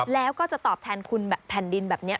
แล้วก็จะตอบแทนคุณแผ่นดินแบบนี้